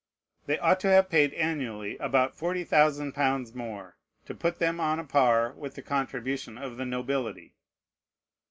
They ought to have paid annually about forty thousand pounds more, to put them on a par with the contribution of the nobility.